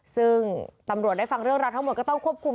ซึ่งตำรวจได้ฟังเรื่องราวทั้งหมดก็ต้องควบคุม